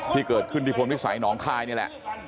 ที่เกิดขึ้นที่พลวิสัยหนองคายนี่แหละ